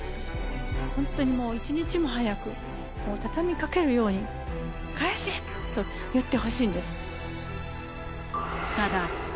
本当にもう一日も早く、もう畳みかけるように、返せ！と言ってほしいんです。